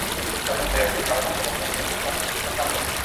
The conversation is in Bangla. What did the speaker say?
সরেজমিনে দেখা গেছে, খালের পানিতে বস্তা ভিজে অধিকাংশ রাসায়নিক সার গলে গেছে।